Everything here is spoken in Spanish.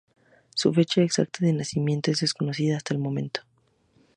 Su fecha exacta de nacimiento es desconocida hasta el momento.